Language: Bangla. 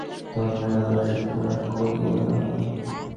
ধর্মের আদর্শ খাড়া করিয়ো না।